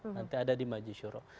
nanti ada di majusyuro